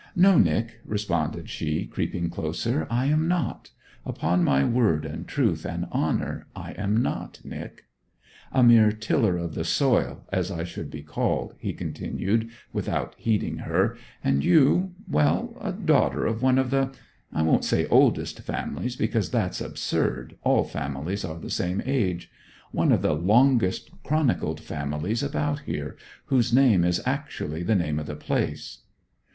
'No, Nic,' responded she, creeping closer. 'I am not. Upon my word, and truth, and honour, I am not, Nic.' 'A mere tiller of the soil, as I should be called,' he continued, without heeding her. 'And you well, a daughter of one of the I won't say oldest families, because that's absurd, all families are the same age one of the longest chronicled families about here, whose name is actually the name of the place.'